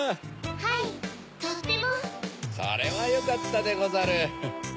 ・はいとっても・それはよかったでござる。